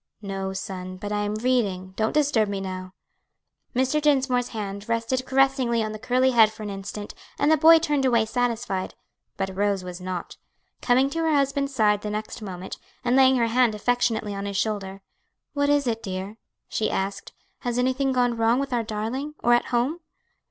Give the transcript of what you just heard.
"No, son; but I am reading; don't disturb me now." Mr. Dinsmore's hand rested caressingly on the curly head for an instant and the boy turned away satisfied. But Rose was not. Coming to her husband's side the next moment, and laying her hand affectionately on his shoulder, "What is it, dear?" she asked, "has anything gone wrong with our darling, or at home?"